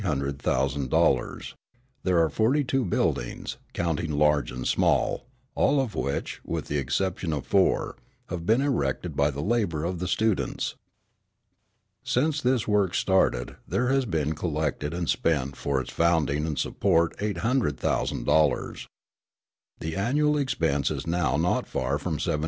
There are forty two buildings, counting large and small, all of which, with the exception of four, have been erected by the labour of the students. Since this work started, there has been collected and spent for its founding and support $800,000. The annual expense is now not far from $75,000.